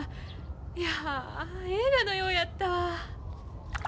いや映画のようやったわ。